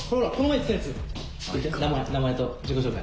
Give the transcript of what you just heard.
言って名前と自己紹介。